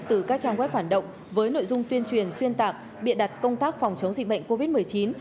từ các trang web phản động với nội dung tuyên truyền xuyên tạc bịa đặt công tác phòng chống dịch bệnh covid một mươi chín